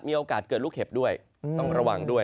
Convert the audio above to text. มีโอกาสเกิดลูกเห็บด้วยต้องระวังด้วย